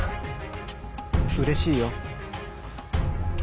うれしいよ。